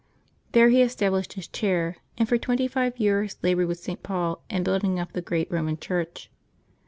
There he established his Chair, and for twenty five years labored with St. Paul in building up the great Eoman Church.